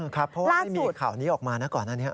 ครับเพราะว่าที่มีข่าวนี้ออกมานะก่อนอันนี้